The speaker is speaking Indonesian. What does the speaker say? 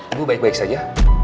ibu baik baik saja